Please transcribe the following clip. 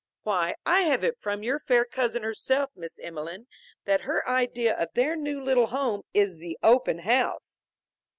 Why, I have it from your fair cousin herself, Miss Emelene, that her idea of their new little home is the Open House."